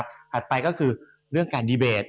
ถัดไปก็คือเรื่องการดีเบต